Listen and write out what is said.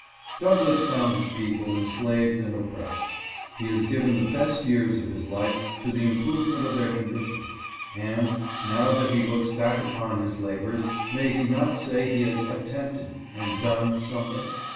Douglass found his people enslaved and oppressed. He has given the best years of his life to the improvement of their condition, and, now that he looks back upon his labors, may he not say he has "attempted " and "done" something?